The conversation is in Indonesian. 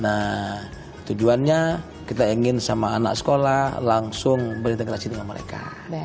nah tujuannya kita ingin sama anak sekolah langsung berintegrasi dengan mereka